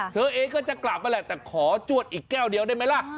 เธอเองก็จะกลับมาแหละแต่ขอจวดอีกแก้วเดียวได้ไหมล่ะ